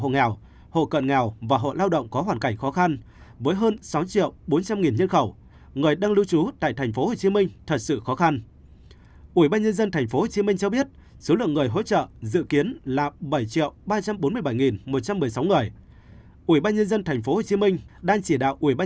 chín người đang lưu trú trong các khu nhà trọ khu dân cư nghèo có hoàn cảnh thật sự khó khăn trong thời gian thành phố thực hiện giãn cách và có mặt trên địa bàn